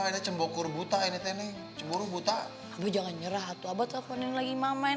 ada cembokur buta ini teni buru buta jangan nyerah atau abad telefonin lagi mama yang